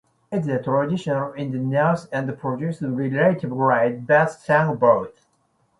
It is traditional in the north and produced relatively light but strong boats.